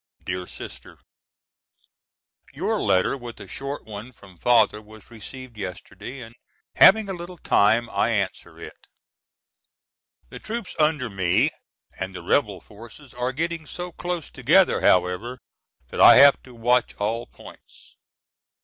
DEAR SISTER: Your letter with a short one from Father was received yesterday, and having a little time I answer it. The troops under me and the rebel forces are getting so close together however that I have to watch all points.